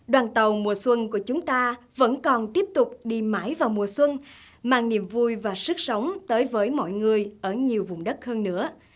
đoàn tàu mùa xuân của chúng ta vẫn còn tiếp tục đi mãi vào mùa xuân mang niềm vui và sức sống tới với mọi người ở nhiều vùng đất hơn nữa